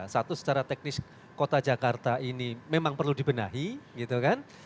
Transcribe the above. satu secara teknis kota jakarta ini memang perlu dibenahi gitu kan